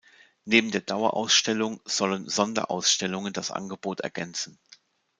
Neben der Dauerausstellung sollen Sonderausstellungen das Angebot ergänzen.